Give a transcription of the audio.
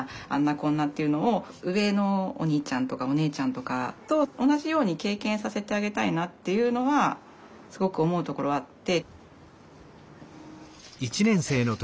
こんなっていうのを上のお兄ちゃんとかお姉ちゃんとかと同じように経験させてあげたいなっていうのはすごく思うところあって。